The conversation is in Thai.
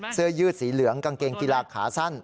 เสื้อยืดสีเหลืองกางเกงกีฬาขาสั้น